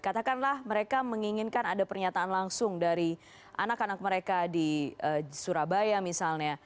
katakanlah mereka menginginkan ada pernyataan langsung dari anak anak mereka di surabaya misalnya